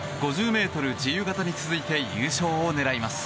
５０ｍ自由形に続いて優勝を狙います。